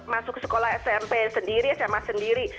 masuk sekolah smp sendiri sma sendiri